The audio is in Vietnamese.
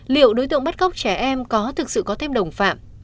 liệu đối tượng bắt cóc trẻ em có thực sự có thêm đồng phạm